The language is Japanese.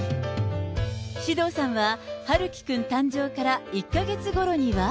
獅童さんは陽喜くん誕生から１か月ごろには。